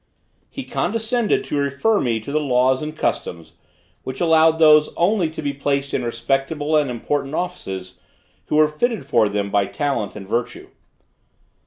He condescended to refer me to the laws and customs, which allowed those only to be placed in respectable and important offices, who were fitted for them by talent and virtue.